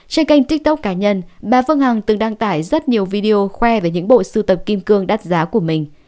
trên kênh tiktok cá nhân bà phương hằng từng đăng tải rất nhiều video khoe về những bộ sưu tập kim cương đắt giá của mình